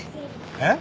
えっ？